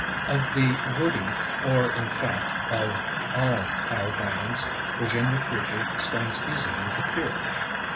Of the woody, or, in fact, of all our vines, Vir ginia Creeper stands easily the peer.